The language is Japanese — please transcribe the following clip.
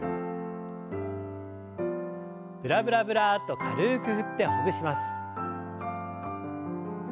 ブラブラブラッと軽く振ってほぐします。